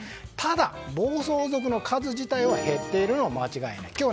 ただ、暴走族の数自体は減っているのは間違いない。